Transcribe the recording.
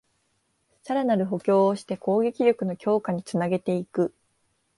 さらなる補強をして攻撃力の強化につなげていく